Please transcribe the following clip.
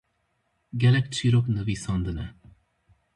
Gelek çîrok nivîsandine.